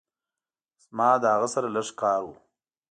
زما له هغه سره لږ کار وه.